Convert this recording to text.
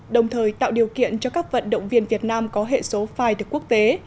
đồng thời tạo điều kiện cho các vận động viên việt nam có hệ số phai được quốc tế